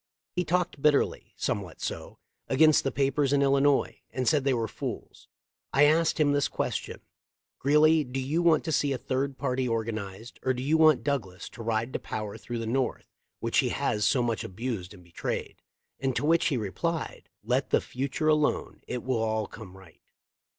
He talked bitterly— somewhat so— against the papers in Illi nois, and said they were fools. I asked him this question 'Greeley, do you want to see a third party organized, or do you want Douglas to ride to power through the North, which he has so much abused and betrayed?' and to which he replied, Let the future alone; it will all come right.